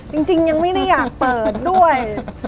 ยังไม่ได้อยากเปิดด้วย